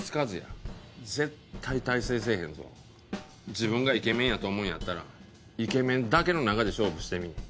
自分がイケメンやと思うんやったらイケメンだけの中で勝負してみい。